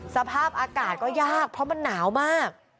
สภาพอากาศก็ยากเพราะมันหนาวมาก